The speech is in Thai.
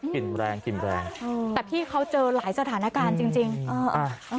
กินแรงกลิ่นแรงใช่แต่พี่เขาเจอหลายสถานการณ์จริงจริงเอออ่า